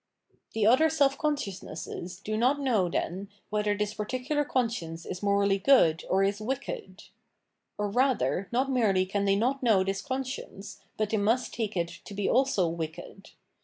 The other self consciousnesses do not know, then, whether this particular conscience is morally good or is wicked ; or, rather, not merely can they not know this conscience, but they must take it to be also wicked.